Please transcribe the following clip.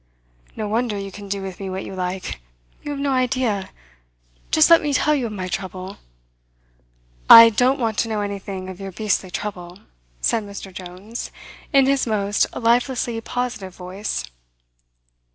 "No wonder you can do with me what you like. You have no idea just let me tell you of my trouble " "I don't want to know anything of your beastly trouble," said Mr. Jones, in his most lifelessly positive voice.